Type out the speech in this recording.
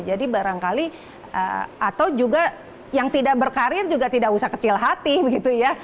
jadi barangkali atau juga yang tidak berkarir juga tidak usah kecil hati gitu ya